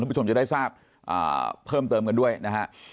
ผู้ชมจะได้ทราบเพิ่มเติมกันด้วยนะฮะ